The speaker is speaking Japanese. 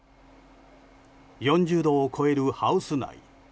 ４０度を超えるハウス内。